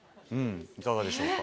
いかがでしょうか？